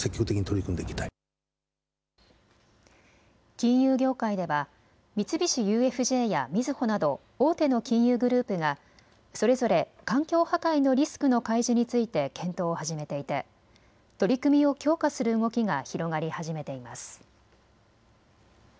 金融業界では三菱ＵＦＪやみずほなど大手の金融グループがそれぞれ環境破壊のリスクの開示について検討を始めていて取り組みを強化する動きが広がり始めています。